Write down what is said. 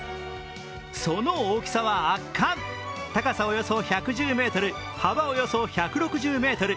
その大きさは圧巻、高さおよそ１１０ｍ、幅およそ１６０ｍ。